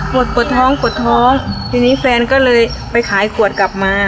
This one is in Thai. ปวดปวดท้องปวดท้องทีนี้แฟนก็เลยไปขายขวดกลับมา